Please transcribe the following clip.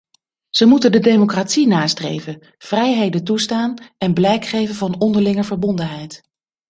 Ze moeten de democratie nastreven, vrijheden toestaan en blijk geven van onderlinge verbondenheid.